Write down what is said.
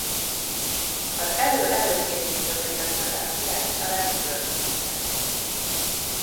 Az elő-előkészítőbe íratta be a királyi család György herceget.